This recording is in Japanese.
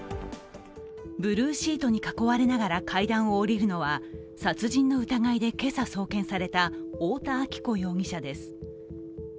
ブルーシートに囲われながら階段を下りるのは殺人の疑いで今朝送検された太田亜紀子容疑者です。